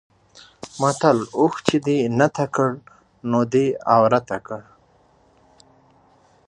متل: اوښ چې دې نته کړ؛ نو دی عورته کړ.